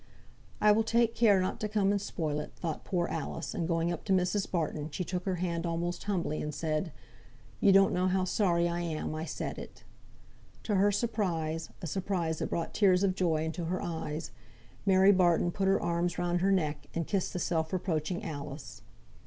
"I will take care not to come and spoil it," thought poor Alice; and going up to Mrs. Barton she took her hand almost humbly, and said, "You don't know how sorry I am I said it." To her surprise, a surprise that brought tears of joy into her eyes, Mary Barton put her arms round her neck, and kissed the self reproaching Alice.